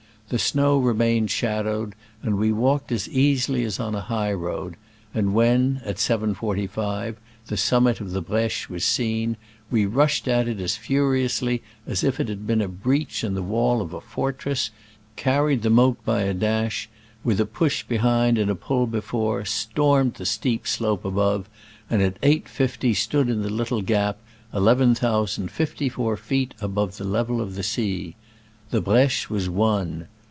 The snow remained shadowed, and we walk ed as easily as on a high road; and when (at 7.45) the summit of the Breche was seen, we rushed at it as furiously as if it had been a breach in the wall of a fortress, carried the moat by a dash, with a push behind and a pull before, stormed the steep slope above, and at 8.50 stood in the litde gap, 11,054 feet above the level of the sea. The Breche was won.